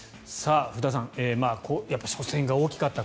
福田さん初戦が大きかった。